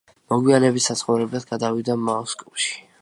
მოგვიანებით საცხოვრებლად გადავიდა მოსკოვში.